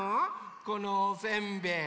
このおせんべい